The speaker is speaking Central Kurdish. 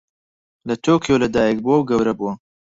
لە تۆکیۆ لەدایکبووە و گەورە بووە.